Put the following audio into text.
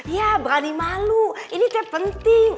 ya berani malu ini tak penting